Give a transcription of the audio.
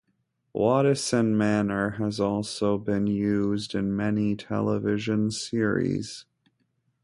Waddesdon Manor has also been used in many television series.